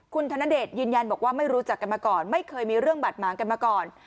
คุณธนเดชยืนยันบอกว่าไม่รู้จักกันมาก่อนไม่เคยมีเรื่องบาดหมางกันมาก่อน